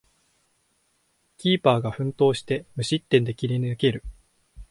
キーパーが奮闘して無失点で切り抜ける